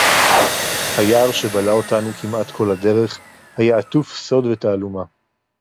הַיַּעַר, שֶׁבָּלַע אוֹתָנוּ כִּמְעַט כָּל הַדֶּרֶךְ, הָיָה עָטוּף סוֹד וְתַעֲלוּמָה.